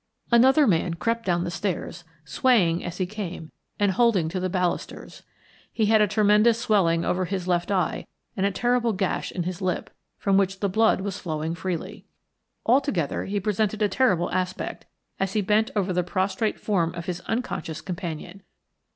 Another man crept down the stairs, swaying as he came and holding on to the balusters. He had a tremendous swelling over his left eye and a terrible gash in his lip, from which the blood was flowing freely. Altogether he presented a terrible aspect as he bent over the prostrate form of his unconscious companion.